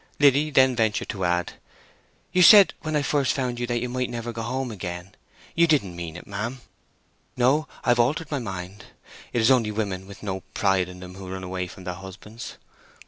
Liddy then ventured to add: "You said when I first found you that you might never go home again—you didn't mean it, ma'am?" "No; I've altered my mind. It is only women with no pride in them who run away from their husbands.